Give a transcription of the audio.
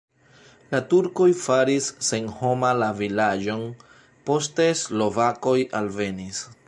La turkoj faris senhoma la vilaĝon, poste slovakoj alvenis.